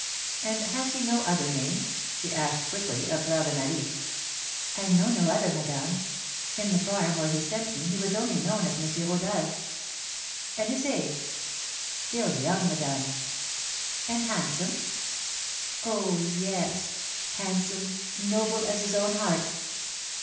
"And has he no other name," she asked, quickly, of Fleur de Marie. "I know no other, madame. In the farm, where he sent me, he was only known as M. Rodolph." "And his age?" "Still young, madame." "And handsome?" "Oh, yes! Handsome, noble as his own heart."